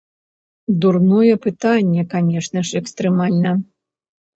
Дурное пытанне, канешне ж экстрэмальна!